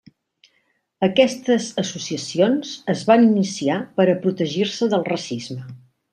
Aquestes associacions es van iniciar per a protegir-se del racisme.